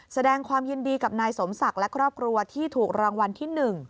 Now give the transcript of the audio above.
แสดงความยินดีกับนายสมศักดิ์และครอบครัวที่ถูกรางวัลที่๑